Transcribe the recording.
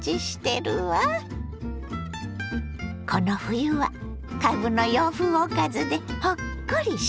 この冬はかぶの洋風おかずでほっこりしてね。